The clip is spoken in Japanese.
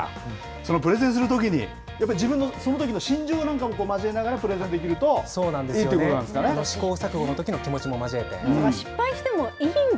そのプレゼンするときに、やっぱり自分のそのときの心情なんかも交えながらプレゼンできる試行錯誤のときの気持ちも交失敗してもいいんだ。